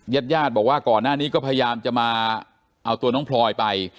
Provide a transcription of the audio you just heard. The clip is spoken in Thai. ญาติญาติบอกว่าก่อนหน้านี้ก็พยายามจะมาเอาตัวน้องพลอยไป